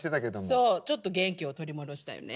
そうちょっと元気を取り戻したよね。